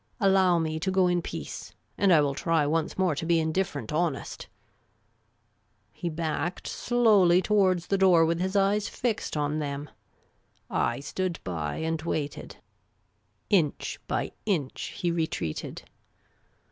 Allow me to go in peace, and I will try once more to be indifferent honest !" He backed slowly towards the door, with his eyes fixed on them. I stood by and waited. Inch by inch he retreated.